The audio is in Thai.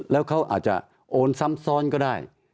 แล้วเขาอาจจะโอนซ้ำซ้อนก็ได้